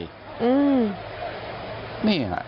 อุ้ยนี่ค่ะ